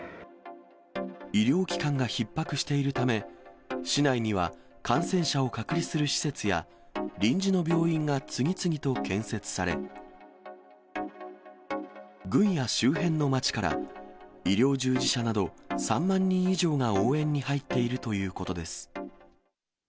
医療機関がひっ迫しているため、市内には感染者を隔離する施設や、臨時の病院が次々と建設され、軍や周辺の町から、医療従事者など３万人以上が応援に入っているということです。